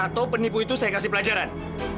atau penipu itu saya kasih pelajaran